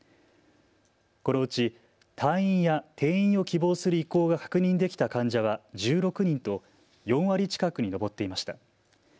このうち退院や転院を希望する意向が確認できた患者は１６人と４割近くに上っていました。